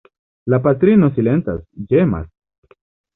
La patrino silentas, ĝemas.